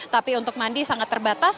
tapi untuk mandi sangat terbatas